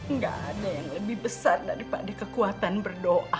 nggak ada yang lebih besar daripada kekuatan berdoa